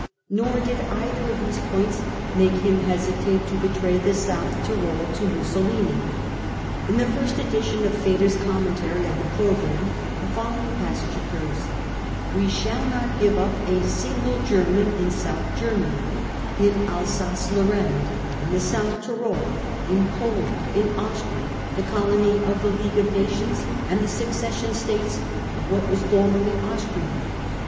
Nor did either of these points make him hesitate to betray * the South Tyrol to Mussolini. In the first edition of JFeder's Commentary on the programme the following passage occurs ;" We shall not give up a single German in South Germany, in Alsace Lorraine, in the South Tyrol , in Poland, in Austria, the colony of the League of Nations, and the succession States of what was formerly Austria.